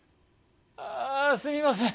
ああすみません